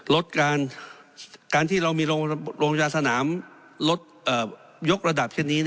การที่เรามีโรงพยาบาลสนามยกระดับเช่นนี้